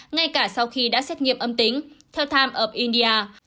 ngay cả sau khi đã xét nghiệm âm tính theo time of india